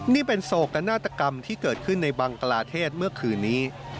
นี่เป็นโศกนาฏกรรมที่เกิดขึ้นในบังกลาเทศเมื่อคืนนี้